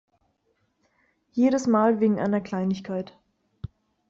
Jedes Mal wegen einer Kleinigkeit.